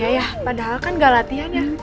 iya padahal kan nggak latihan ya